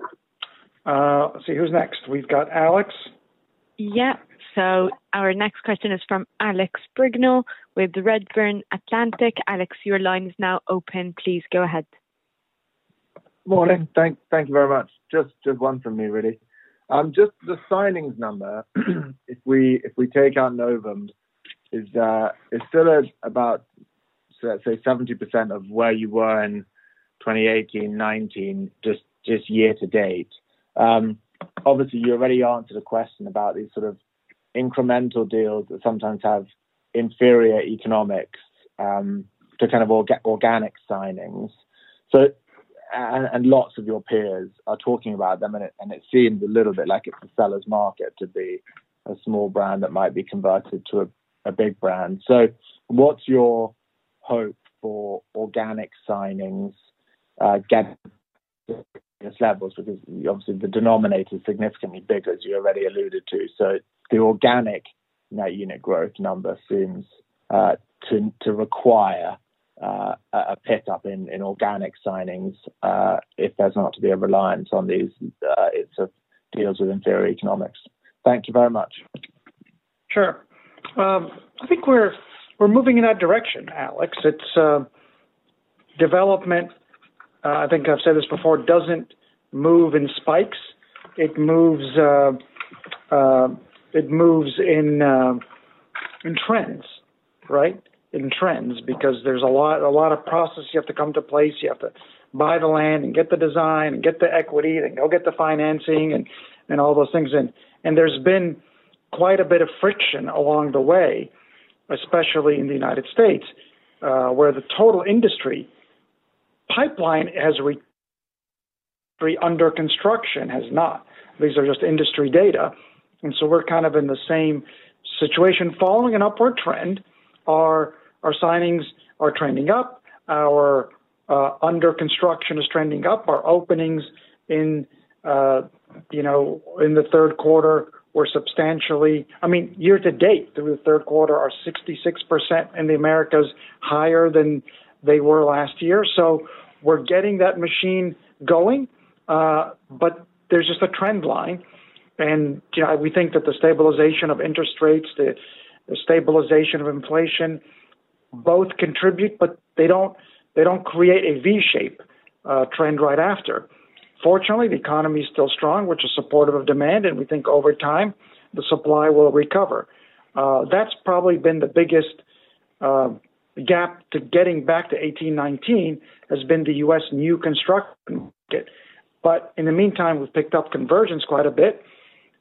Speaker 3: Let's see, who's next? We've got Alex.
Speaker 1: Yeah. So our next question is from Alex Brignall with Redburn Atlantic. Alex, your line is now open. Please go ahead.
Speaker 9: Morning. Thank you very much. Just one from me, really. Just the signings number, if we take out NOVUM, is that it's still at about, say, 70% of where you were in 2018, 2019, just year to date. Obviously, you already answered a question about these sort of incremental deals that sometimes have inferior economics to kind of organic signings. So, and lots of your peers are talking about them, and it seems a little bit like it's a seller's market to be a small brand that might be converted to a big brand. So what's your hope for organic signings get levels? Because obviously, the denominator is significantly bigger, as you already alluded to. So the organic net unit growth number seems to require a pick-up in organic signings, if there's not to be a reliance on these deals with inferior economics. Thank you very much.
Speaker 3: Sure. I think we're moving in that direction, Alex. It's development. I think I've said this before, doesn't move in spikes. It moves in trends, right? In trends, because there's a lot, a lot of processes you have to come to place. You have to buy the land and get the design and get the equity and go get the financing and all those things. And there's been quite a bit of friction along the way, especially in the United States, where the total industry pipeline has remained under construction has not. These are just industry data, and so we're kind of in the same situation. Following an upward trend, our signings are trending up, our under construction is trending up, our openings in... You know, in the third quarter, we're substantially. I mean, year-to-date, through the third quarter are 66% in the Americas, higher than they were last year. So we're getting that machine going, but there's just a trend line. And, yeah, we think that the stabilization of interest rates, the, the stabilization of inflation both contribute, but they don't, they don't create a V-shape trend right after. Fortunately, the economy is still strong, which is supportive of demand, and we think over time, the supply will recover. That's probably been the biggest gap to getting back to 2018-2019, has been the U.S. new construction market. But in the meantime, we've picked up conversions quite a bit,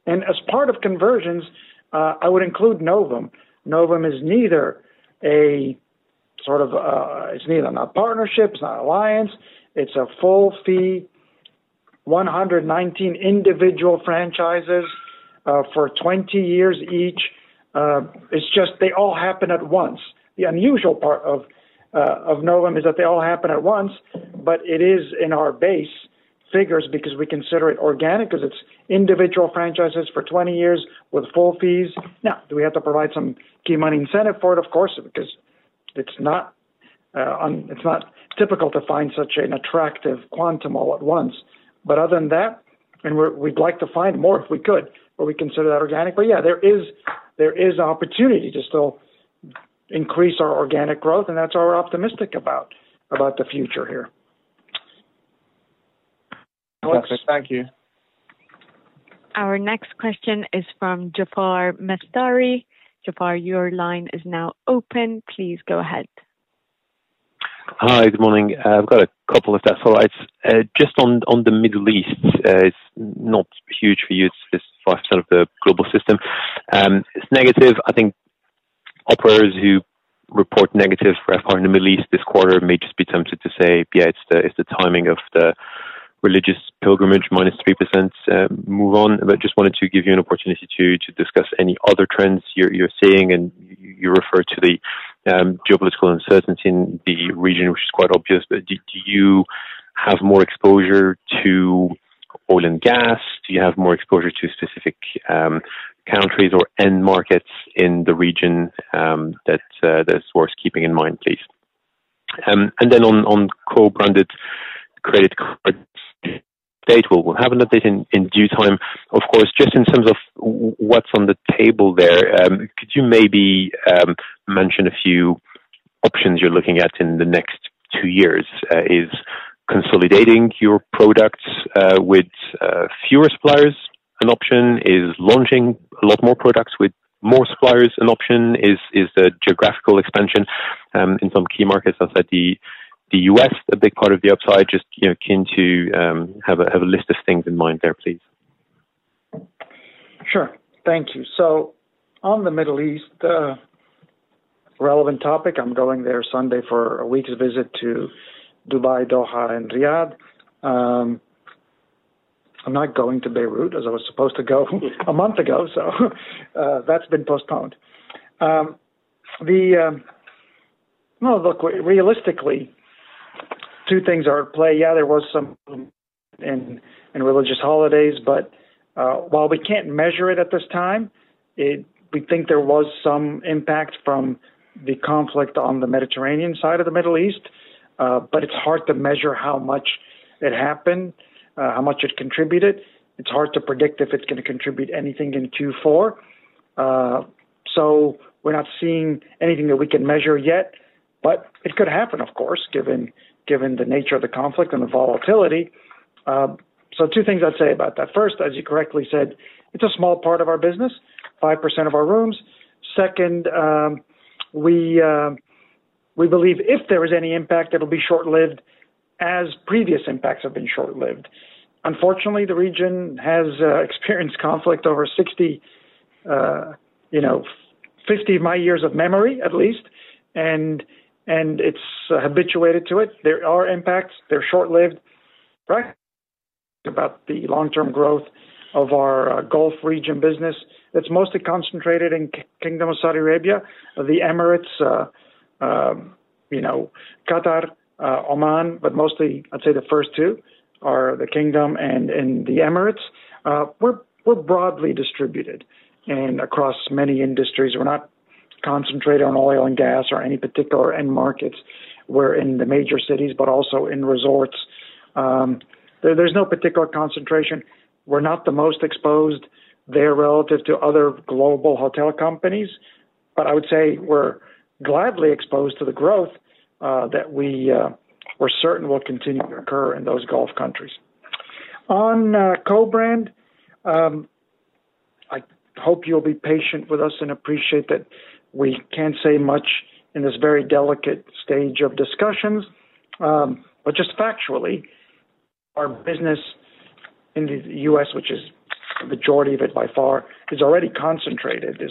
Speaker 3: and as part of conversions, I would include NOVUM. NOVUM is neither a sort of, it's neither not a partnership, it's not alliance, it's a full fee, 119 individual franchises, for 20 years each. It's just they all happen at once. The unusual part of Novum is that they all happen at once, but it is in our base figures because we consider it organic, 'cause it's individual franchises for 20 years with full fees. Now, do we have to provide some key money incentive for it? Of course, because it's not typical to find such an attractive quantum all at once. But other than that, and we, we'd like to find more if we could, but we consider that organic. But yeah, there is opportunity to still increase our organic growth, and that's what we're optimistic about the future here. Alex.
Speaker 9: Thank you.
Speaker 1: Our next question is from Jaafar Mestari. Jaafar, your line is now open. Please go ahead.
Speaker 10: Hi, good morning. I've got a couple, if that's all right. Just on the Middle East, it's not huge for you. It's 5% of the global system. It's negative. I think operators who report negative RevPAR in the Middle East this quarter may just be tempted to say, "Yeah, it's the timing of the religious pilgrimage, -3%, move on." But just wanted to give you an opportunity to discuss any other trends you're seeing, and you refer to the geopolitical uncertainty in the region, which is quite obvious. But do you have more exposure to oil and gas? Do you have more exposure to specific countries or end markets in the region that that's worth keeping in mind, please? On co-branded credit cards, we'll have an update in due time. Of course, just in terms of what's on the table there, could you maybe mention a few options you're looking at in the next two years? Is consolidating your products with fewer suppliers an option? Is launching a lot more products with more suppliers an option? Is the geographical expansion in some key markets outside the U.S. a big part of the upside? Just, you know, keen to have a list of things in mind there, please.
Speaker 3: Sure. Thank you. So on the Middle East, relevant topic, I'm going there Sunday for a week's visit to Dubai, Doha and Riyadh. I'm not going to Beirut, as I was supposed to go a month ago, so, that's been postponed. Well, look, realistically, two things are at play. Yeah, there was some in religious holidays, but, while we can't measure it at this time, it, we think there was some impact from the conflict on the Mediterranean side of the Middle East, but it's hard to measure how much it happened, how much it contributed. It's hard to predict if it's gonna contribute anything in Q4. So we're not seeing anything that we can measure yet, but it could happen, of course, given, given the nature of the conflict and the volatility. So two things I'd say about that. First, as you correctly said, it's a small part of our business, 5% of our rooms. Second, we believe if there is any impact, it'll be short-lived, as previous impacts have been short-lived. Unfortunately, the region has experienced conflict over 60, you know, 50 my years of memory, at least, and it's habituated to it. There are impacts. They're short-lived, right? About the long-term growth of our Gulf region business, it's mostly concentrated in Kingdom of Saudi Arabia, the Emirates, you know, Qatar, Oman, but mostly I'd say the first two are the Kingdom and the Emirates. We're broadly distributed across many industries. We're not concentrated on oil and gas or any particular end markets. We're in the major cities, but also in resorts. There's no particular concentration. We're not the most exposed there relative to other global hotel companies, but I would say we're gladly exposed to the growth that we're certain will continue to occur in those Gulf countries. On co-brand, I hope you'll be patient with us and appreciate that we can't say much in this very delicate stage of discussions. But just factually, our business in the U.S., which is the majority of it by far, is already concentrated,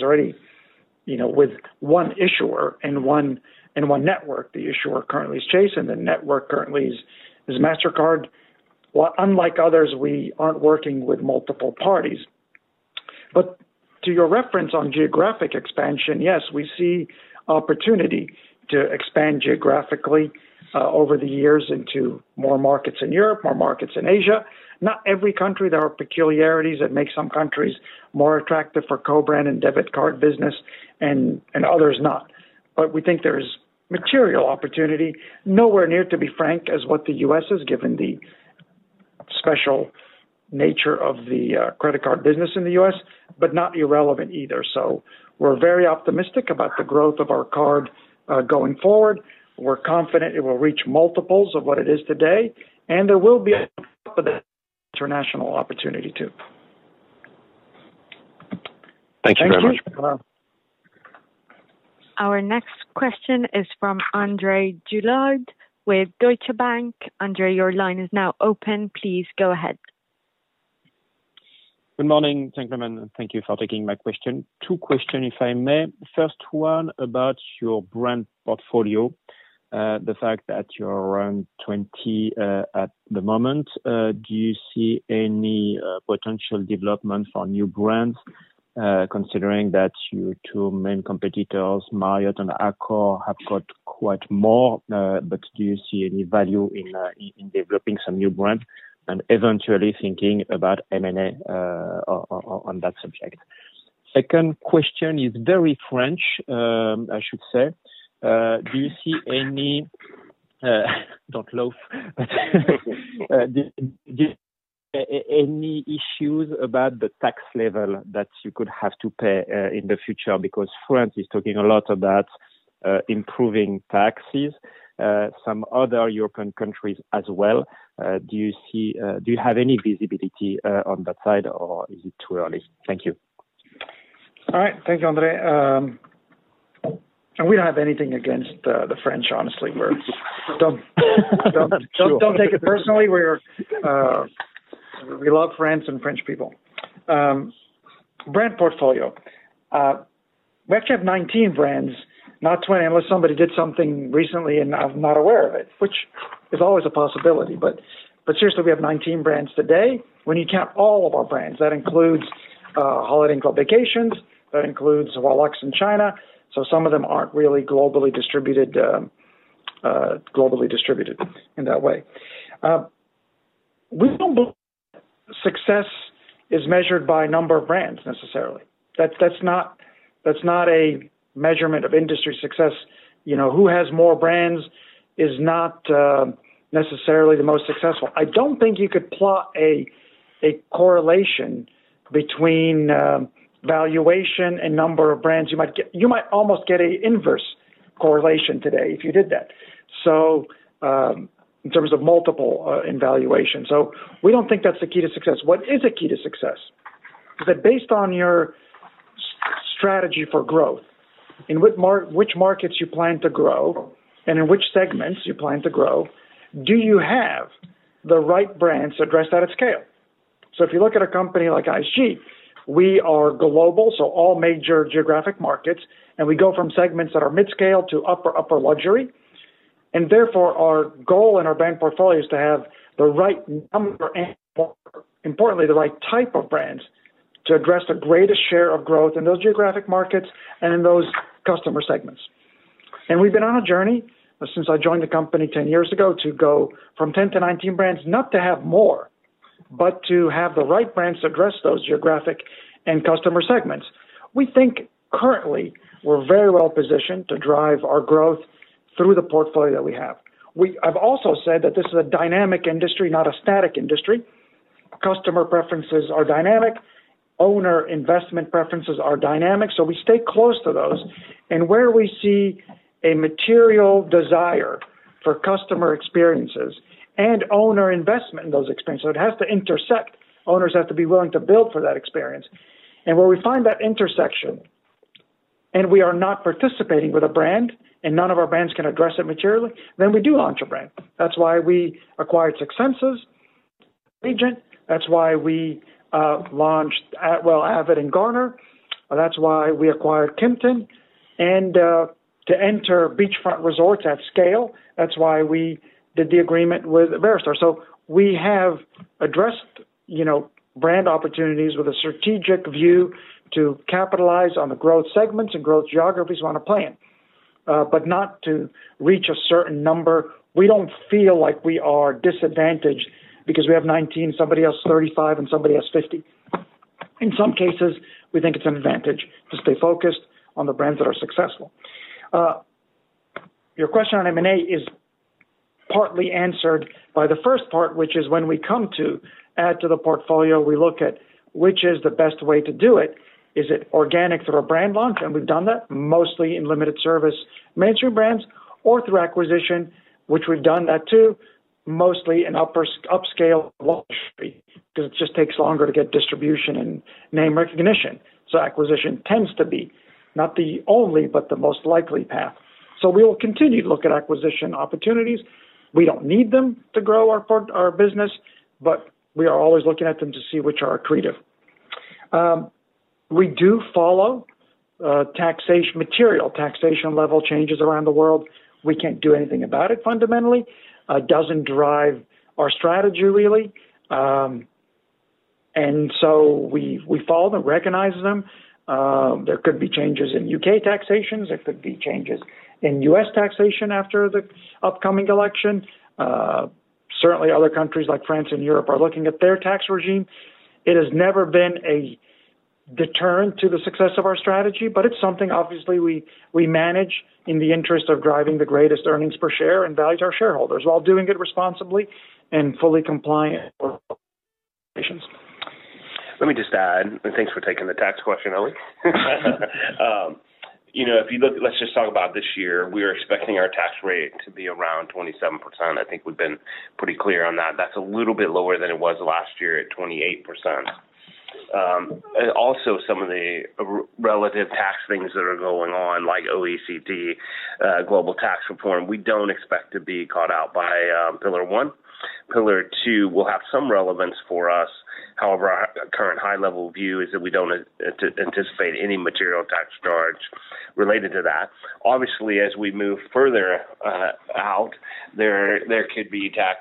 Speaker 3: you know, with one issuer and one network. The issuer currently is Chase, and the network currently is Mastercard. Well, unlike others, we aren't working with multiple parties. But to your reference on geographic expansion, yes, we see opportunity to expand geographically over the years into more markets in Europe, more markets in Asia. Not every country, there are peculiarities that make some countries more attractive for co-branded credit card business and others not. But we think there's material opportunity, nowhere near, to be frank, as what the U.S. has given the special nature of the credit card business in the U.S., but not irrelevant either. So we're very optimistic about the growth of our card going forward. We're confident it will reach multiples of what it is today, and there will be an international opportunity too.
Speaker 10: Thank you very much.
Speaker 3: Thank you.
Speaker 1: Our next question is from André Juillard with Deutsche Bank. André, your line is now open. Please go ahead.
Speaker 11: Good morning, gentlemen, and thank you for taking my question. Two question, if I may. First one, about your brand portfolio, the fact that you're around 20 at the moment, do you see any potential development for new brands, considering that your two main competitors, Marriott and Accor, have got quite more, but do you see any value in in developing some new brands and eventually thinking about M&A on on on that subject? Second question is very French, I should say, do you see any don't laugh, do do any issues about the tax level that you could have to pay in the future? Because France is talking a lot about improving taxes some other European countries as well. Do you see, do you have any visibility on that side, or is it too early? Thank you.
Speaker 3: All right. Thank you, André. And we don't have anything against the French, honestly. We don't, don't, don't take it personally. We love France and French people. Brand portfolio. We actually have 19 brands, not 20, unless somebody did something recently, and I'm not aware of it, which is always a possibility. But seriously, we have 19 brands today. When you count all of our brands, that includes Holiday Inn Club Vacations, that includes HUALUXE in China, so some of them aren't really globally distributed, globally distributed in that way. We don't believe success is measured by number of brands necessarily. That's not a measurement of industry success. You know, who has more brands is not necessarily the most successful. I don't think you could plot a correlation between valuation and number of brands. You might almost get an inverse correlation today if you did that. So, in terms of multiple, in valuation. So we don't think that's the key to success. What is a key to success? Is that based on your strategy for growth, in what markets you plan to grow and in which segments you plan to grow, do you have the right brands to address that at scale? So if you look at a company like IHG, we are global, so all major geographic markets, and we go from segments that are mid-scale to upper, upper luxury, and therefore, our goal and our brand portfolio is to have the right number and, importantly, the right type of brands to address the greatest share of growth in those geographic markets and in those customer segments. And we've been on a journey since I joined the company 10 years ago, to go from 10-19 brands, not to have more, but to have the right brands to address those geographic and customer segments. We think currently we're very well positioned to drive our growth through the portfolio that we have. We-- I've also said that this is a dynamic industry, not a static industry. Customer preferences are dynamic, owner investment preferences are dynamic, so we stay close to those. And where we see a material desire for customer experiences and owner investment in those experiences, so it has to intersect. Owners have to be willing to build for that experience. And where we find that intersection, and we are not participating with a brand, and none of our brands can address it materially, then we do launch a brand. That's why we acquired Six Senses, Regent. That's why we launched Atwell, avid, and Garner. That's why we acquired Kimpton. And to enter beachfront resorts at scale, that's why we did the agreement with Iberostar. So we have addressed, you know, brand opportunities with a strategic view to capitalize on the growth segments and growth geographies we wanna play in, but not to reach a certain number. We don't feel like we are disadvantaged because we have 19, somebody has 35, and somebody has 50. In some cases, we think it's an advantage to stay focused on the brands that are successful. Your question on M&A is partly answered by the first part, which is when we come to add to the portfolio, we look at, which is the best way to do it? Is it organic through a brand launch? And we've done that mostly in limited service, mainstream brands or through acquisition, which we've done that too, mostly in upper, upscale luxury, because it just takes longer to get distribution and name recognition. So acquisition tends to be not the only, but the most likely path. So we will continue to look at acquisition opportunities. We don't need them to grow our portfolio, our business, but we are always looking at them to see which are accretive. We do follow material taxation level changes around the world, we can't do anything about it fundamentally. Doesn't drive our strategy, really. And so we follow them, recognize them. There could be changes in U.K. taxation, there could be changes in U.S. taxation after the upcoming election. Certainly other countries like France and Europe are looking at their tax regime. It has never been a deterrent to the success of our strategy, but it's something obviously we, we manage in the interest of driving the greatest earnings per share and value to our shareholders, while doing it responsibly and fully compliant with regulations.
Speaker 4: Let me just add, and thanks for taking the tax question, Elie. You know, if you look, let's just talk about this year. We are expecting our tax rate to be around 27%. I think we've been pretty clear on that. That's a little bit lower than it was last year at 28%. And also some of the relative tax things that are going on, like OECD global tax reform, we don't expect to be caught out by Pillar I. Pillar II will have some relevance for us. However, our current high level view is that we don't anticipate any material tax charge related to that. Obviously, as we move further out, there could be tax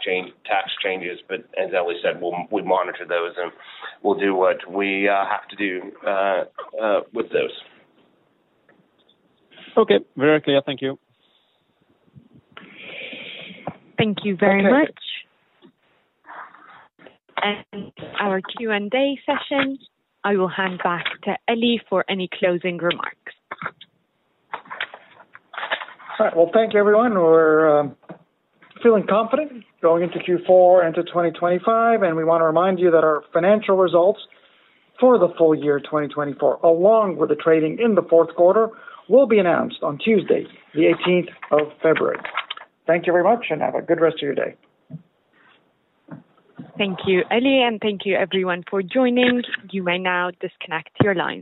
Speaker 4: changes, but as Elie said, we'll monitor those, and we'll do what we have to do with those.
Speaker 11: Okay, very clear. Thank you.
Speaker 1: Thank you very much. Okay. Our Q&A session. I will hand back to Elie for any closing remarks.
Speaker 3: All right. Thank you, everyone. We're feeling confident going into Q4 and to 2025, and we want to remind you that our financial results for the Full Year 2024, along with the trading in the fourth quarter, will be announced on Tuesday, the 18th of February. Thank you very much, and have a good rest of your day.
Speaker 1: Thank you, Elie, and thank you everyone for joining. You may now disconnect your lines.